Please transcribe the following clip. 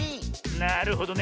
なるほどね！